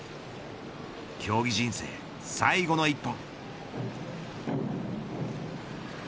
競技人生最後の１本。